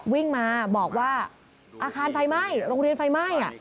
วิ่งมาบอกว่าอาคารไฟไหม้โรงเรียนไฟไหม้